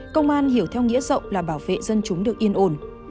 công an hiểu theo nghĩa rộng là bảo vệ dân chúng được yên ổn